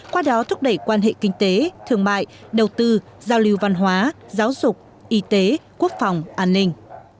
qua đó thúc đẩy quan hệ kinh tế thương mại đầu tư giao lưu văn hóa giáo dục y tế quốc phòng an ninh